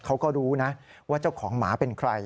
เขาก็รู้นะว่าเจ้าของหมาเป็นใคร